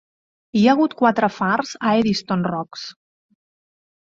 Hi ha hagut quatre fars a Eddystone Rocks.